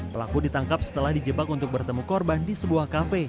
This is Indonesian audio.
pelaku ditangkap setelah dijebak untuk bertemu korban di sebuah kafe